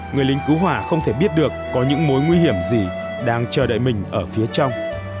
người lính cứu hỏa không thể biết được có những mối nguy hiểm gì đang chờ đợi mình ở phía trong